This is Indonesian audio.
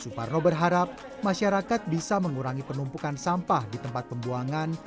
suparno berharap masyarakat bisa mengurangi penumpukan sampah di tempat pembuangan